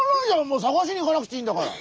もう探しに行かなくていいんだから。